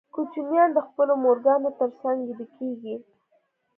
کوچنیان د خپلو مورګانو تر څنګ ویده کېږي.